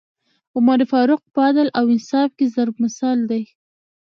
عمر فاروق په عدل او انصاف کي ضَرب مثل دی